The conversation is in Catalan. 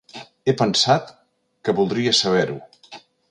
He pensat que voldries saber-ho”.